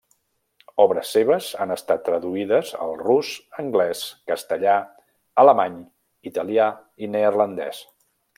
Obres seves han estat traduïdes al rus, anglès, castellà, alemany, italià i neerlandès.